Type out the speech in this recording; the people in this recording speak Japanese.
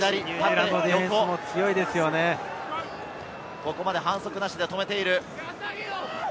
ここまで反則なしで止めている。